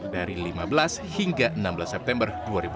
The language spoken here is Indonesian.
dari lima belas hingga enam belas september dua ribu dua puluh